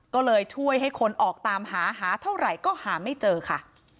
ก็เลยช่วยให้คนออกตามหาหาเท่าไหร่ก็หาไม่เจอค่ะ